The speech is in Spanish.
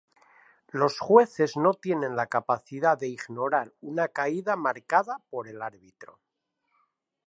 Los jueces no tienen la capacidad de ignorar una caída marcada por el árbitro.